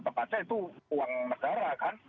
tepatnya itu uang negara kan